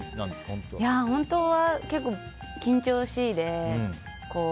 本当は結構緊張しいで。